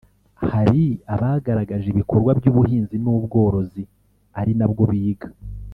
Hari abagaragaje ibikorwa by’ubuhinzi n’ubworozi ari nabwo biga